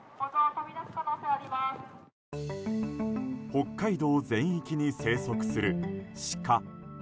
北海道全域に生息するシカ。